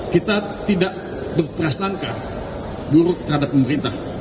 kita tidak berprasangka buruk terhadap pemerintah